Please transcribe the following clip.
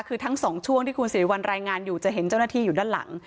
คือทั้งสองช่วงที่คุณสิริวัลรายงานอยู่จะเห็นเจ้าหน้าที่อยู่ด้านหลัง